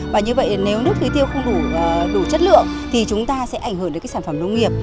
và như vậy nếu nước tưới tiêu không đủ chất lượng thì chúng ta sẽ ảnh hưởng đến cái sản phẩm nông nghiệp